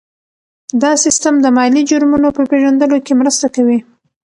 دا سیستم د مالي جرمونو په پېژندلو کې مرسته کوي.